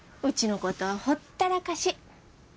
うちのことはほったらかし。